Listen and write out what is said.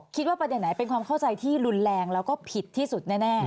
คิดว่าประเด็นไหนเป็นความเข้าใจที่รุนแรงแล้วก็ผิดที่สุดแน่